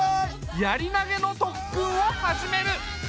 やり投げの特訓を始める！